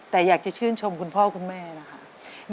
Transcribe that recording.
แต่อยากจะชื่นชมคุณพ่อคุณแม่นะคะ